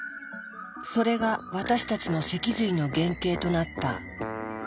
それが私たちの脊髄の原型となった。